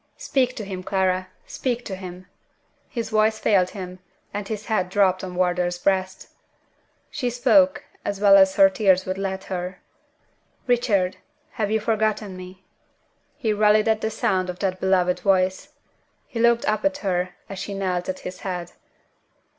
Speak to him, Clara! speak to him!" His voice failed him, and his head dropped on Wardour's breast. She spoke, as well as her tears would let her. "Richard, have you forgotten me?" He rallied at the sound of that beloved voice. He looked up at her as she knelt at his head.